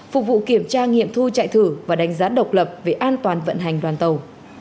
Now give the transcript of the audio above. phục vụ kiểm tra nghiệm thu chạy thử và đánh giá độc lập về an toàn vận hành đoàn tàu